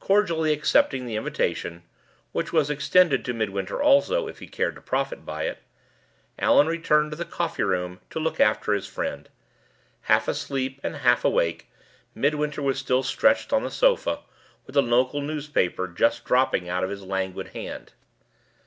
Cordially accepting the invitation (which was extended to Midwinter also, if he cared to profit by it), Allan returned to the coffee room to look after his friend. Half asleep and half awake, Midwinter was still stretched on the sofa, with the local newspaper just dropping out of his languid hand.